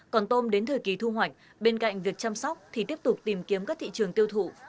còn tôm đến thời kỳ thu hoạch bên cạnh việc chăm sóc thì tiếp tục tìm kiếm các thị trường tiêu thụ